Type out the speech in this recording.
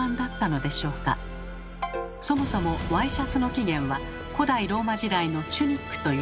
そもそもワイシャツの起源は古代ローマ時代の「チュニック」といわれています。